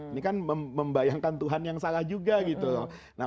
ini kan membayangkan tuhan yang salah juga gitu loh